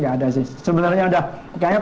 gak ada sih sebenarnya udah kayaknya